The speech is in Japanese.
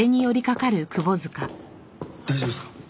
大丈夫ですか？